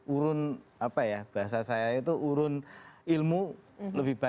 urun apa ya bahasa saya itu urun ilmu lebih baik